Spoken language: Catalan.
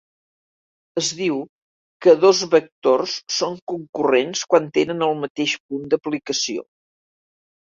Es diu que dos vectors són concurrents quan tenen el mateix punt d'aplicació.